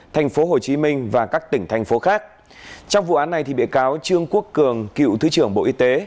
thành phố hồ chí minh và các tỉnh thành phố khác trong vụ án này bị cáo trương quốc cường cựu thứ trưởng bộ y tế